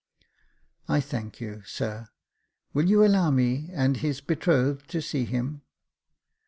" I thank you, sir ; will you allow me and his betrothed to see him